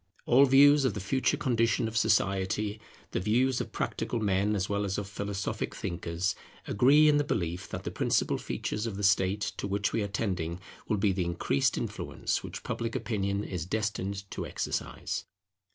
All views of the future condition of society, the views of practical men as well as of philosophic thinkers, agree in the belief that the principal feature of the state to which we are tending, will be the increased influence which Public Opinion is destined to exercise.